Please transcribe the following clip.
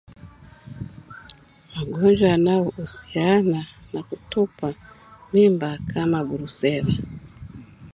Magonjwa yanayohusiana na kutupa mimba kama Brusela